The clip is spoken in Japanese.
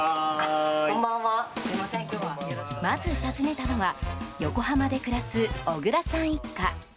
まず訪ねたのは横浜で暮らす小倉さん一家。